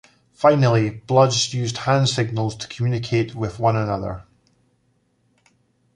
Finally, Bloods use hand signs to communicate with one another.